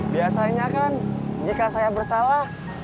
biasanya kan jika saya bersalah